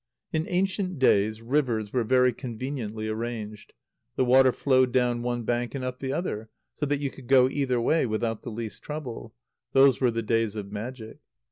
_ In ancient days, rivers were very conveniently arranged. The water flowed down one bank, and up the other, so that you could go either way without the least trouble. Those were the days of magic.